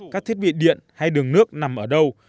các thiết bị điện hay đường nước nằm ở đâu